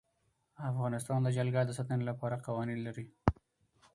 افغانستان د جلګه د ساتنې لپاره قوانین لري.